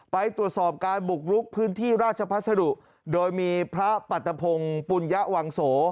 ไปตรวจสอบการบุกลุกพื้นที่ราชพัสดุโดยมีพระปัตตะพงศ์ปุญญวังโส